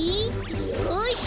よし！